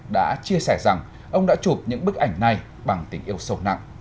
đã chia sẻ rằng ông đã chụp những bức ảnh này bằng tình yêu sâu nặng